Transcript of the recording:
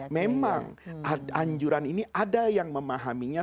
memang anjuran ini ada yang memahaminya